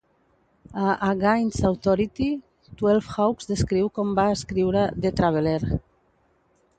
A "Against Authority", Twelve Hawks descriu com va escriure "The Traveler".